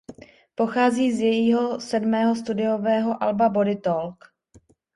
Pochází z jejího sedmého studiového alba Body Talk.